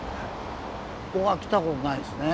ここは来たことないですね